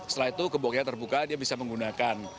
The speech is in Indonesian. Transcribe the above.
setelah itu gemboknya terbuka dia bisa menggunakan